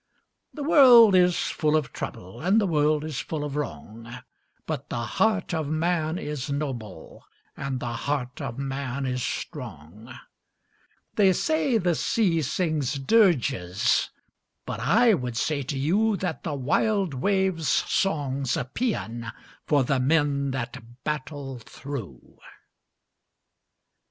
The world is full of trouble, And the world is full of wrong, But the heart of man is noble, And the heart of man is strong! They say the sea sings dirges, But I would say to you That the wild wave's song's a paean For the men that battle through.